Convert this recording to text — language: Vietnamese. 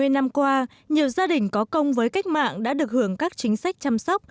hai mươi năm qua nhiều gia đình có công với cách mạng đã được hưởng các chính sách chăm sóc